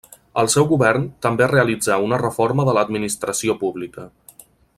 El seu govern també realitzà una reforma de l'administració pública.